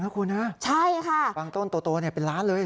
ขวางต้นตัวเนี่ยเป็นล้านเลย